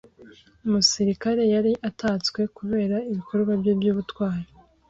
Umusirikare yari atatswe kubera ibikorwa bye by'ubutwari.